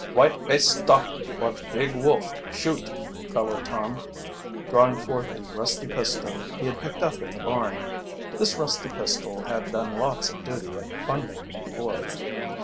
"White bay stop or Big Wolf shoot!" bellowed Tom, drawing forth a rusty pistol he had picked up in the barn. This rusty pistol had done lots of duty at fun making before.